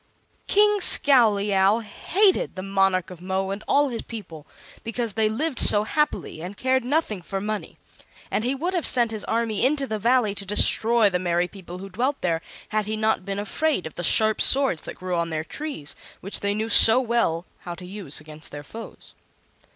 King Scowleyow hated the Monarch of Mo and all his people, because they lived so happily and cared nothing for money; and he would have sent his army into the Valley to destroy the merry people who dwelt there had he not been afraid of the sharp swords that grew on their trees, which they knew so well how to use against their foes.